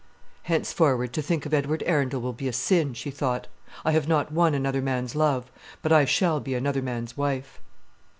"Henceforward to think of Edward Arundel will be a sin," she thought. "I have not won another man's love; but I shall be another man's wife."